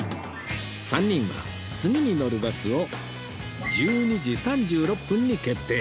３人は次に乗るバスを１２時３６分に決定